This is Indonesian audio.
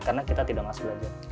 karena kita tidak masih belajar